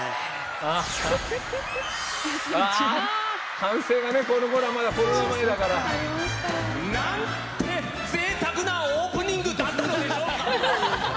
歓声がね、このころはまだコロナ前だから。なんてぜいたくなオープニングだったのでしょうか。